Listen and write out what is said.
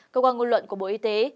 công an ngôn luận của bộ y tế